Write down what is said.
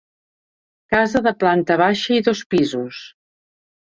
Casa de planta baixa i dos pisos.